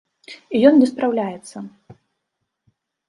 І ён не спраўляецца.